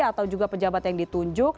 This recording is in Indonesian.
atau juga pejabat yang ditunjuk